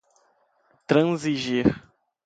transigir